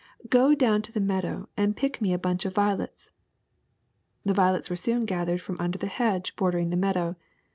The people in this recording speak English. Go down to the meadow and pick me a bunch of violets." The violets were soon gathered from under the hedge bordering the meadow.